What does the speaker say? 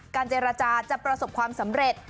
เจรจาจะประสบความสำเร็จ